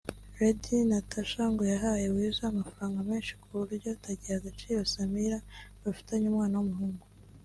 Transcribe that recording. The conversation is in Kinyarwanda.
Lady Natasha ngo yahaye Weasel amafaranga menshi ku buryo atagiha agaciro Samira bafitanye umwana w’umuhungu